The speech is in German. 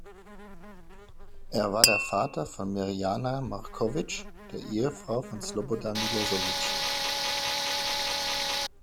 Er war der Vater von Mirjana Marković, der Ehefrau von Slobodan Milošević.